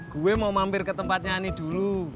gue mau mampir ke tempatnya ini dulu